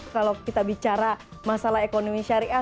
kalau kita bicara masalah ekonomi syariah